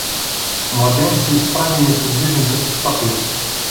Младен се изправи неподвижен като статуя.